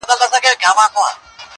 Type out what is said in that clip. بیا یې مات سول تماشې ته ډېر وګړي٫